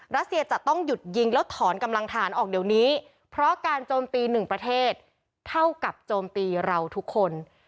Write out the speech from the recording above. รัสเซียจะต้องหยุดยิงแล้วถอนกำลังฐานออกเดี๋ยวนี้เพราะการโจมตีหนึ่งประเทศเท่ากับโจมตีเราทุกคน